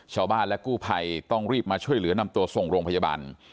ชาวบ้านและกู้ภัยต้องรีบมาช่วยเหลือนำตัวส่งโรงพยาบาล